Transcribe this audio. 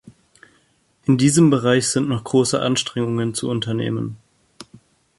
In diesem Bereich sind noch große Anstrengungen zu unternehmen.